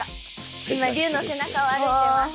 今龍の背中を歩いてます。